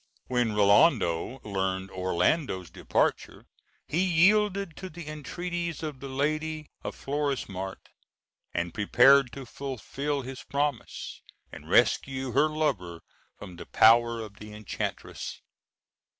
When Rinaldo learned Orlando's departure, he yielded to the entreaties of the lady of Florismart, and prepared to fulfil his promise, and rescue her lover from the power of the enchantress.